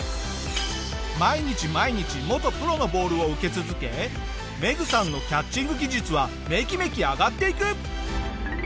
毎日毎日元プロのボールを受け続けメグさんのキャッチング技術はメキメキ上がっていく！